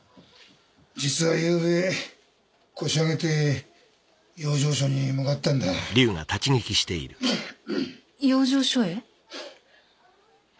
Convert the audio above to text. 実はゆうべ腰上げて養生所に向かったんだ養生所へ？